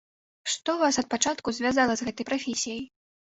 Што вас ад пачатку звязвала з гэтай прафесіяй?